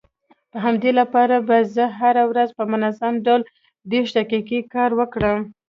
د همدې لپاره به زه هره ورځ په منظم ډول دېرش دقيقې کار وکړم.